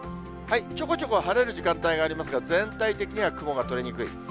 ちょこちょこ晴れる時間帯がありますが、全体的には雲が取れにくい。